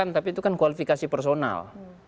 tapi itu kan kualifikasi personal